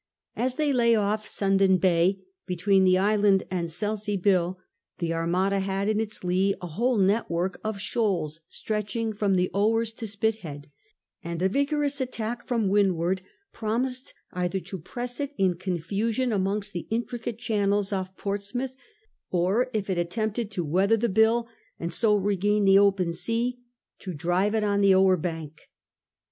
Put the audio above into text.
As they lay off Sandown Bay between the Island and Selsea Bill, the Armada had in its lee a whole network of shoals stretching from the Owers to Spithead, and a vigorous attack from windward promised either to press it in confusion amongst the intricate channels off Portsmouth, or if it attempted to weather the Bill and so regain the open sea, to drive it on the Ower bank.